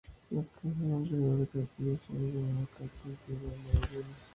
Las casas alrededor del castillo son el llamado casco antiguo de Maranello.